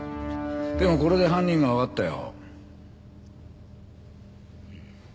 でもこれで犯人がわかったよ。